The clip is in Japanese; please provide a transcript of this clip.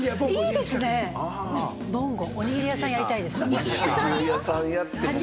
おにぎり屋さん、やりたいです。